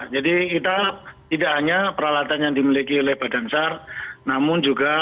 jadi kita tidak hanya peralatan yang dimiliki oleh badan sar namun juga